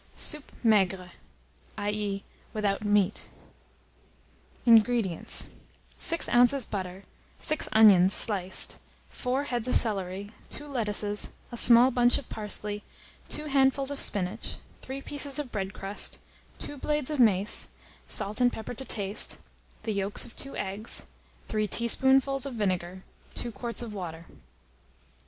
SOUP MAIGRE (i.e. without Meat). 136. INGREDIENTS. 6 oz. butter, 6 onions sliced, 4 heads of celery, 2 lettuces, a small bunch of parsley, 2 handfuls of spinach, 3 pieces of bread crust, 2 blades of mace, salt and pepper to taste, the yolks of 2 eggs, 3 teaspoonfuls of vinegar, 2 quarts of water.